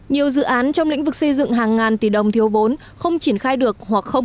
nhiều dự án trong lĩnh vực xây dựng hàng ngàn tỷ đồng thiếu vốn không triển khai được hoặc không